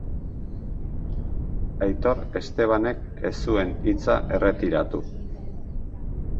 Aitor Estebanek ez zuen hitza erretiratu.